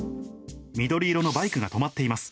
緑色のバイクが止まっています。